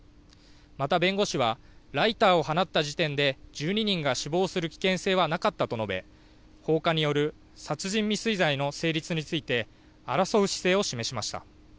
また弁護士はライターを放った時点で１２人が死亡する危険性はなかったと述べ放火による殺人未遂罪の成立について争う姿勢を示しました。